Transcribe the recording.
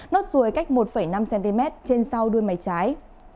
nốt ruồi cách một năm cm trên sau đuôi mái trái